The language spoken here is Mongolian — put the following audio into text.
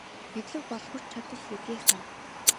Мэдлэг бол хүч чадал гэдгийг сана.